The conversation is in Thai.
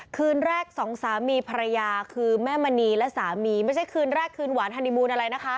คืนแรกสองสามีภรรยาคือแม่มณีและสามีไม่ใช่คืนแรกคืนหวานฮานีมูลอะไรนะคะ